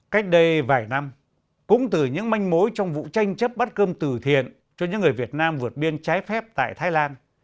cách đây vài năm cũng từ những manh mối trong vụ tranh chấp bắt cơm từ thiện cho những người việt nam vượt biên trái phép tại thái lan